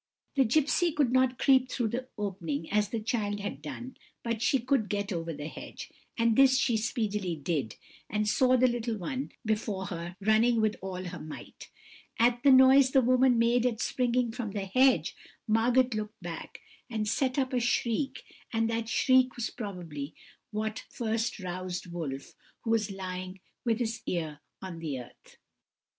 The gipsy could not creep through the opening as the child had done, but she could get over the hedge; and this she speedily did, and saw the little one before her, running with all her might. At the noise the woman made at springing from the hedge, Margot looked back, and set up a shriek, and that shriek was probably what first roused Wolf, who was lying with his ear on the earth.